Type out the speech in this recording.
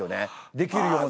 できるような。